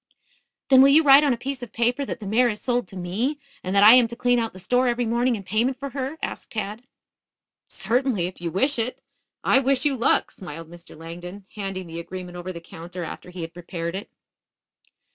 "Then, will you write on a piece of paper that the mare is sold to me, and that I am to clean out the store every morning in payment for her?" asked Tad. "Certainly, if you wish it. I wish you luck," smiled Mr. Langdon, handing the agreement over the counter after he had prepared it.